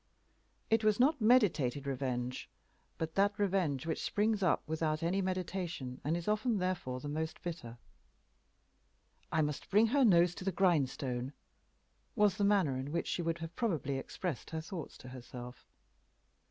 It was not meditated revenge, but that revenge which springs up without any meditation, and is often therefore the most bitter. "I must bring her nose to the grindstone," was the manner in which she would have probably expressed her thoughts to herself.